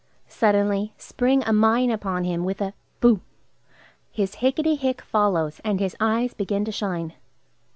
Suddenly spring a mine upon him with a "Boo!" His "Hicketty hick!" follows, and his eyes begin to shine.